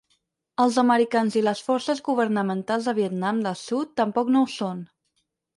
Els americans i les forces governamentals de Vietnam de Sud tampoc no ho són.